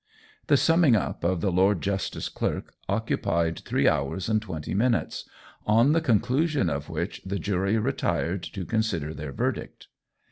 The "summing up" of the Lord Justice Clerk occupied three hours and twenty minutes, on the conclusion of which the jury retired to consider their verdict.